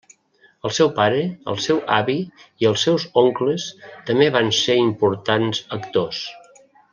El seu pare, el seu avi i els seus oncles també van ser importants actors.